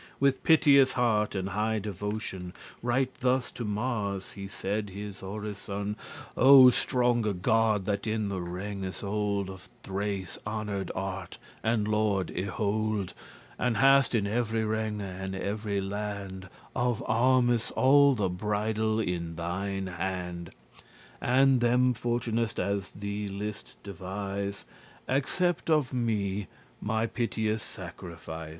With piteous* heart and high devotion *pious Right thus to Mars he said his orison "O stronge god, that in the regnes* old *realms Of Thrace honoured art, and lord y hold* *held And hast in every regne, and every land Of armes all the bridle in thine hand, And *them fortunest as thee list devise*, *send them fortune Accept of me my piteous sacrifice.